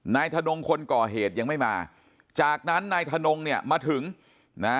ทนงคนก่อเหตุยังไม่มาจากนั้นนายทนงเนี่ยมาถึงนะ